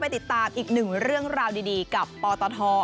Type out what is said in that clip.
ติดตามอีกหนึ่งเรื่องราวดีกับปตท